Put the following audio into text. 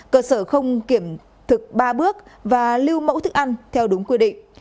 cơ sở không kiểm thực ba bước và lưu mẫu thức ăn theo đúng quy định